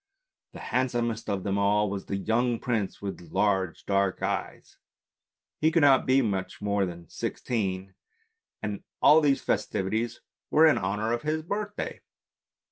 The handsomest of them all was the young prince with large dark eyes ; he could not be much more than sixteen, and all these festivities were in honour of his birthday.